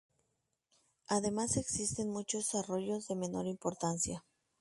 Además existen muchos arroyos de menor importancia.